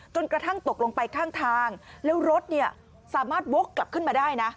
ตกลงไปข้างทางแล้วรถเนี่ยสามารถวกกลับขึ้นมาได้นะ